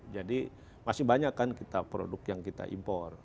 jadi masih banyak kan produk yang kita impor